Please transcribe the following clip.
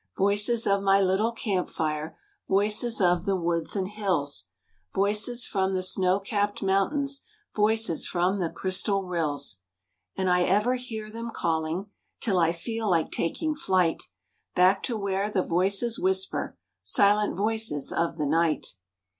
Voices of my little camp fire, Voices of the woods and hills, Voices from the snow capped mountains, Voices from the crystal rills; And I ever hear them calling, 'Till I feel like taking flight, Back to where the voices whisper,— Silent voices of the night.